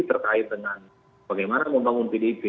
terkait dengan bagaimana membangun pdip